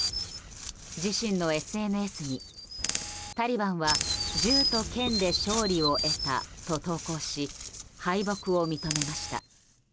自身のＳＮＳにタリバンは銃と剣で勝利を得たと投稿し敗北を認めました。